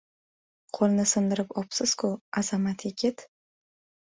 Qo‘lni sindirib obsiz-ku, azamat yigit!